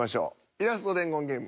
イラスト伝言ゲーム